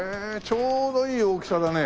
ちょうどいい大きさだね。